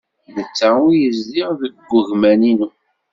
Netta ur yezdiɣ deg wegmam-inu.